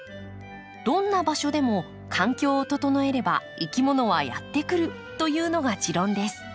どんな場所でも環境を整えればいきものはやって来るというのが持論です。